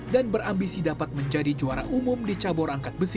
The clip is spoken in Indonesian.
dan berambisi dapat menjadi juara umum di cabur angkat besi